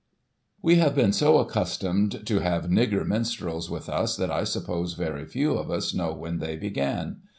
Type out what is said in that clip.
We have been so accustomed to have nigger minstrels with us that I suppose very few of us know when they began.